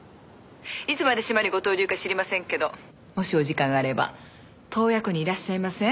いつまで島にご逗留か知りませんけどもしお時間あれば洞爺湖にいらっしゃいません？